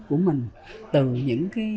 của mình từ những cái